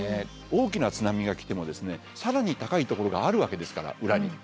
大きな津波が来ても更に高いところがあるわけですから裏に。